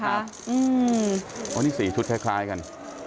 เพราะนี่สีชุดคล้ายกัน